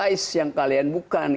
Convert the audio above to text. pancasila yang kalian bukan